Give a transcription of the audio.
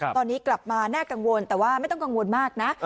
ตอนนี้กลับมาน่ากังวลแต่ว่าไม่ต้องกังวลมากนะ